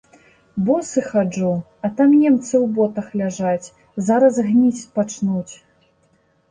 Босы хаджу, а там немцы ў ботах ляжаць, зараз гніць пачнуць.